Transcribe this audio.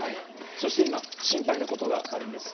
そして今、心配なことがあるんです。